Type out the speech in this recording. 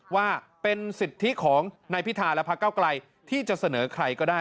ว่าเป็นสิทธิของนายพิธาและพระเก้าไกลที่จะเสนอใครก็ได้